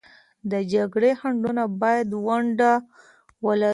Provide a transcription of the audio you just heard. د جګړې خنډونه باید ونډه ولري.